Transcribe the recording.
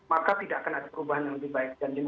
maka tidak akan ada perubahan yang lebih baik